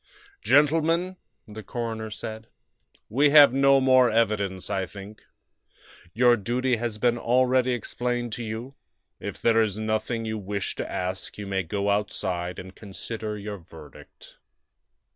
"Gentlemen," the coroner said, "we have no more evidence, I think. Your duty has been already explained to you; if there is nothing you wish to ask you may go outside and consider your verdict."